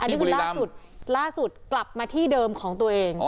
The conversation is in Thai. นี่คือล่าสุดล่าสุดกลับมาที่เดิมของตัวเอง